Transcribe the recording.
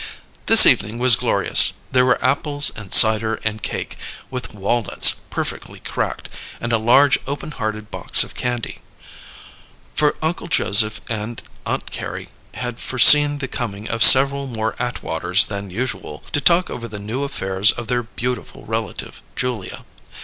This evening was glorious: there were apples and cider and cake, with walnuts, perfectly cracked, and a large open hearted box of candy; for Uncle Joseph and Aunt Carrie had foreseen the coming of several more Atwaters than usual, to talk over the new affairs of their beautiful relative, Julia.